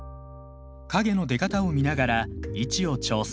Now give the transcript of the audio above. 影の出方を見ながら位置を調整。